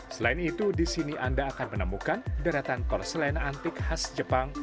selain itu di sini anda akan menemukan deretan korselen antik khas jepang